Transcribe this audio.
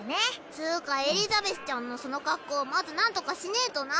つぅかエリザベスちゃんのその格好まずなんとかしねぇとな。